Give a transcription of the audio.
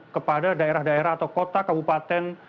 kepada daerah daerah atau kota kabupaten